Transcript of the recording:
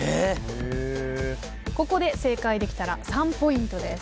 ここで正解できたら３ポイントです。